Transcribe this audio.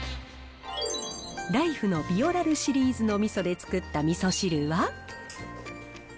ライフのビオラルシリーズのみそで作ったみそ汁は。